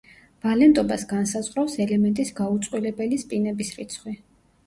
ვალენტობას განსაზღვრავს ელემენტის გაუწყვილებელი სპინების რიცხვი.